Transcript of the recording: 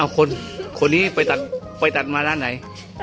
คนนี้ไปตัดมาร้านไหน